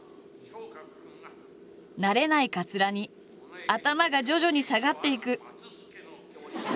慣れないかつらに頭が徐々に下がっていく。